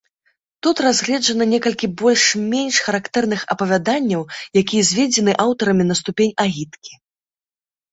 Тут разгледжана некалькі больш-менш характэрных апавяданняў, якія зведзены аўтарамі на ступень агіткі.